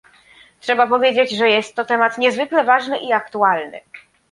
Trzeba powiedzieć, że jest to temat niezwykle ważny i aktualny